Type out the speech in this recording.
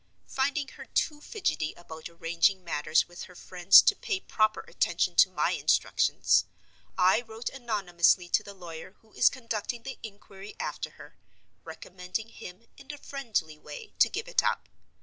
Finding her too fidgety about arranging matters with her friends to pay proper attention to my instructions, I wrote anonymously to the lawyer who is conducting the inquiry after her, recommending him, in a friendly way, to give it up.